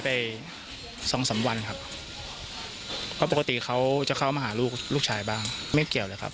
ปกติเค้าจะเข้ามาหาลูกลูกชายบ้างไม่เกี่ยวเลยครับ